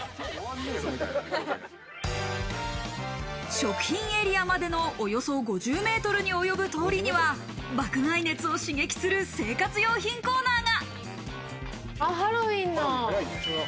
食品エリアまでのおよそ５０ｍに及ぶ通りには爆買い熱を刺激する生活用品コーナーが。